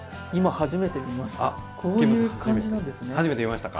初めて見ましたか。